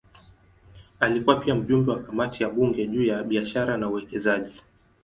Alikuwa pia mjumbe wa kamati ya bunge juu ya biashara na uwekezaji.